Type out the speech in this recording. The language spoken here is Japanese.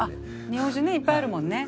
日本酒ねいっぱいあるもんね。